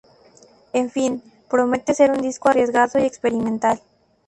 En fin, promete ser un disco arriesgado y experimental.